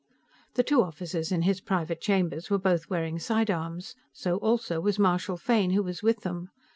The two officers in his private chambers were both wearing sidearms. So, also, was Marshal Fane, who was with them.